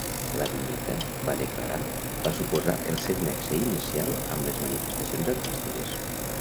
La vinyeta, va declarar, va suposar el seu nexe inicial amb les manifestacions artístiques.